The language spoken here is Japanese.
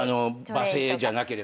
罵声じゃなければね。